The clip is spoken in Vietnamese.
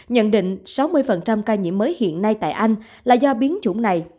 nhận định sáu mươi ca nhiễm mới hiện nay tại anh là do biến chủng này